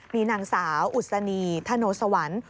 มีนางสาวอุศนีธโนสวรรค์